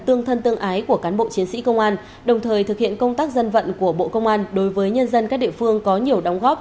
trong thời thực hiện công tác dân vận của bộ công an đối với nhân dân các địa phương có nhiều đóng góp